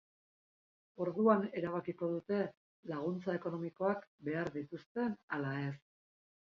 Orduan erabakiko dute laguntza ekonomikoak behar dituzten ala ez.